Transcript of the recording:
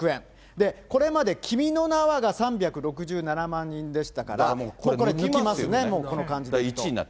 で、これまで君の名は。が３６７万人でしたから、抜きますね、もう、この感じだと。